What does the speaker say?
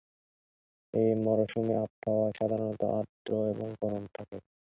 এই মরসুমে আবহাওয়া সাধারণত আর্দ্র এবং গরম থাকে।